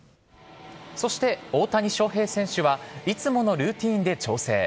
そして大谷翔平選手は、いつものルーティンで調整。